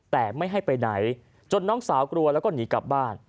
แต่ไม่ให้ไปไหนจนน้องสาวกลัวแล้วก็หนีกลับบ้าน